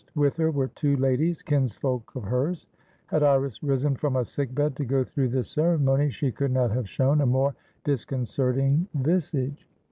With her were two ladies, kinsfolk of hers. Had Iris risen from a sick bed to go through this ceremony, she could not have shown a more disconcerting visage.